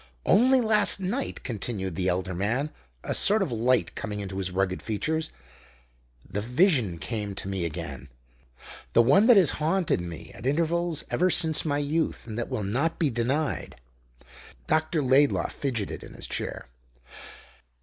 "Only last night," continued the elder man, a sort of light coming into his rugged features, "the vision came to me again the one that has haunted me at intervals ever since my youth, and that will not be denied." Dr. Laidlaw fidgeted in his chair.